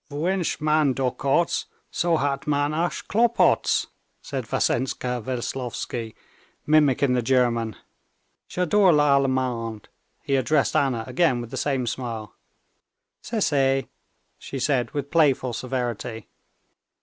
"Wünscht man Dochots, so hat man auch Klopots," said Vassenka Veslovsky, mimicking the German. "J'adore l'allemand," he addressed Anna again with the same smile. "Cessez," she said with playful severity.